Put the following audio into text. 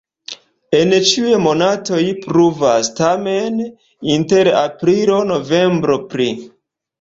En ĉiuj monatoj pluvas, tamen inter aprilo-novembro pli.